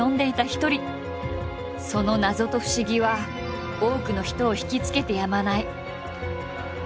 その謎と不思議は多くの人を惹きつけてやまない。